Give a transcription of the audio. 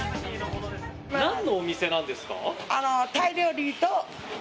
なんのお店なんですか？